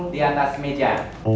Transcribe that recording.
di atas meja